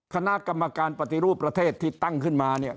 คณะกรรมการปฏิรูปประเทศที่ตั้งขึ้นมาเนี่ย